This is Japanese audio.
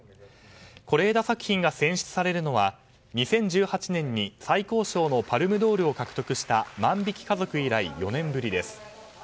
是枝作品が選出されるのは２０１８年に最高賞のパルム・ドールを獲得した「万引き家族」以来４年ぶりです。